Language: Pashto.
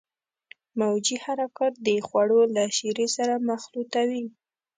موجي حرکات د خوړو له شیرې سره مخلوطوي.